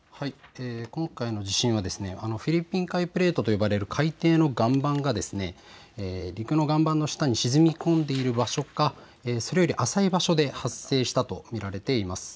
今回の地震はフィリピン海プレートと呼ばれる海底の岩盤が陸の岩盤の下に沈み込んでいる場所か、それより浅い場所で発生したというふうに見られています。